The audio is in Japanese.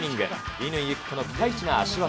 乾友紀子のピカイチな足技。